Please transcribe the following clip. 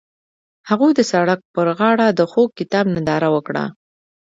هغوی د سړک پر غاړه د خوږ کتاب ننداره وکړه.